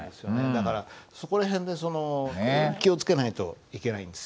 だからそこら辺でその気を付けないといけないんですよ。